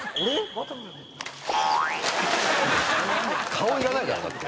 「顔いらないじゃんだって」